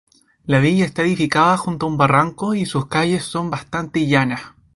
La villa está edificada junto a un barranco y sus calles son bastantes llanas.